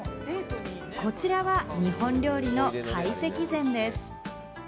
こちらは日本料理の会席膳です。